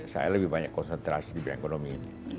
saya lebih banyak konsentrasi di ekonomi